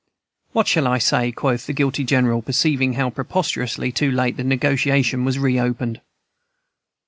"'What shall I say?' quoth the guilty General, perceiving how preposterously too late the negotiation was reopened.